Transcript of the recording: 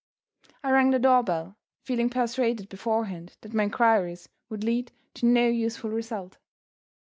I rang the door bell, feeling persuaded beforehand that my inquiries would lead to no useful result.